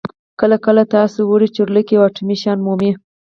کله کله تاسو وړې چورلکې او اټومي شیان مومئ